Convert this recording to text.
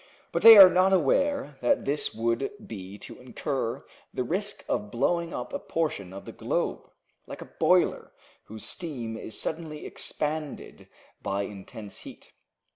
But they are not aware that this would be to incur the risk of blowing up a portion of the globe, like a boiler whose steam is suddenly expanded by intense heat.